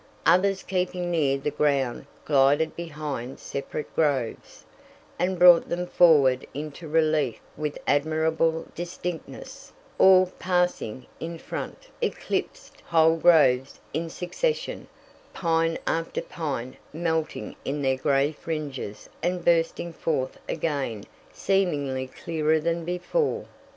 Others keeping near the ground glided behind separate groves, and brought them forward into relief with admirable distinctness; or, passing in front, eclipsed whole groves in succession, pine after pine melting in their gray fringes and bursting forth again seemingly clearer than before.